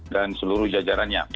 dan seluruh jajarannya